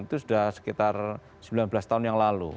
itu sudah sekitar sembilan belas tahun yang lalu